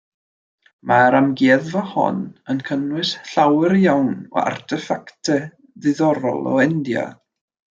Mae'r amgueddfa hon yn cynnwys llawer iawn o arteffactau diddorol o India.